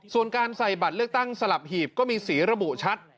ส่วนการใส่บัตรเลือกตั้งสลับหีบก็มีสีระบุชัด